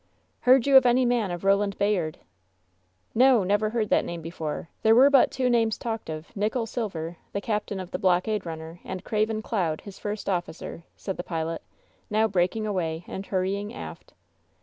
"Heard you of any man of Roland Bayard?" "No! never heard that name before! There were but two names talked of — ^Nichol Silver, the captain of the blockade runner, and Craven Cloud, his first officer," said the pilot, now breaking away and hurrying aft.